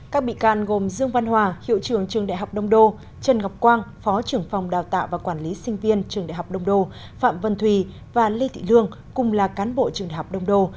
các bị can gồm dương văn hòa hiệu trưởng trường đại học đông đô trần ngọc quang phó trưởng phòng đào tạo và quản lý sinh viên trường đại học đông đô phạm vân thùy và lê thị lương cùng là cán bộ trường đại học đông đô